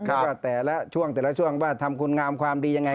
แล้วก็แต่ละช่วงแต่ละช่วงว่าทำคุณงามความดียังไง